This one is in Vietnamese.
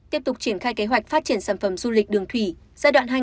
tiếp tục triển khai kế hoạch phát triển sản phẩm du lịch đường thủy